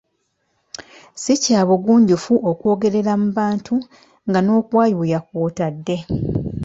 Si kya bugunjufu okwegololera mu bantu nga n’okwayuuya kw’otadde.